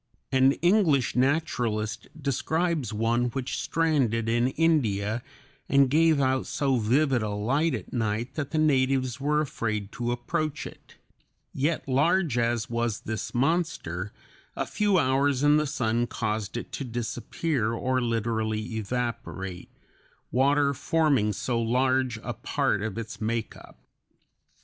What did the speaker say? An English naturalist describes one which stranded in India and gave out so vivid a light at night that the natives were afraid to approach it; yet large as was this monster, a few hours in the sun caused it to disappear or literally evaporate, water forming so large a part of its make up.